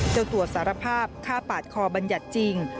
เจ้าตัวสารภาพฆ่าปาดคอบัญญัติจริง